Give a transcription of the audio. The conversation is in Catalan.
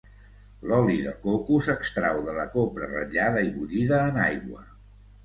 L'oli de coco s'extrau de la copra ratllada i bullida en aigua.